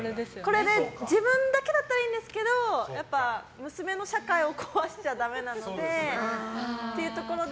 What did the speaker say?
自分だけだったらいいんですけど娘の社会を壊しちゃダメなのでっていうところで。